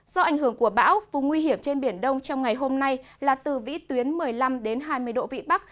do ảnh hưởng của bão vùng nguy hiểm trên biển đông trong ngày hôm nay là từ vĩ tuyến một mươi năm đến hai mươi độ vị bắc